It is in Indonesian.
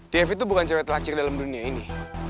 devi tuh bukan cewek terakhir dalam dunia ini